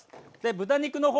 豚肉の方